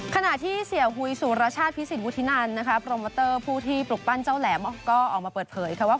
ขณะที่เสียหุยสุรชาติพิสิทวุฒินันนะคะโปรโมเตอร์ผู้ที่ปลุกปั้นเจ้าแหลมก็ออกมาเปิดเผยค่ะว่า